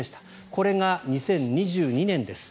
これが２０２２年です。